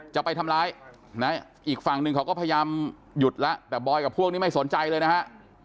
จะไปทำร้ายนะอีกฝั่งหนึ่งเขาก็พยายามหยุดแล้วแต่บอยกับพวกนี้ไม่สนใจเลยนะฮะ